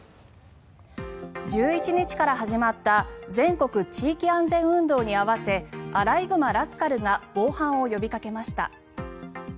１１日から始まった全国地域安全運動に合わせあらいぐまラスカルが防犯を呼びかけました。